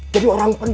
jadi orang penting